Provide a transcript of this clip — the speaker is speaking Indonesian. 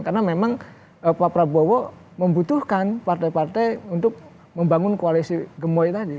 karena memang pak prabowo membutuhkan partai partai untuk membangun koalisi gemoy tadi